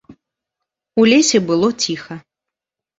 У лесе было ціха.